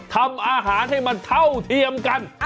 ทำอาหารให้มันเท่าเทียมกัน